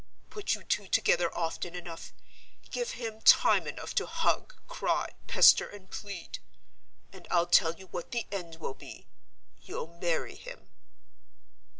Put you two together often enough; give him time enough to hug, cry, pester, and plead; and I'll tell you what the end will be—you'll marry him."